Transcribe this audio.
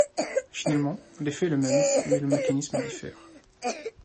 Finalement l'effet est le même mais le mécanisme diffère.